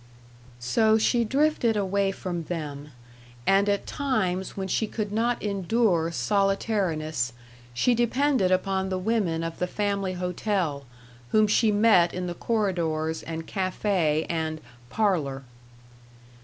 So she drifted away from them, and at times when she could not endure solitariness she depended upon the women of the family hotel, whom she met in the corridors and café and "parlor."